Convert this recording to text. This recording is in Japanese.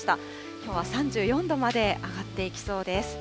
きょうは３４度まで上がっていきそうです。